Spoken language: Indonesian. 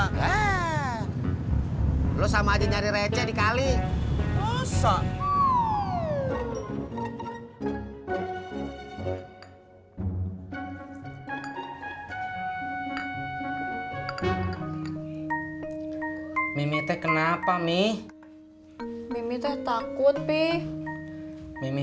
heee lo sama aja nyari receh dikali